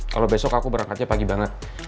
kalau besok aku berangkatnya pagi banget